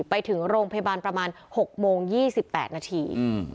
ไปถึงโรงพยาบาลประมาณ๖โมง๒๘นาที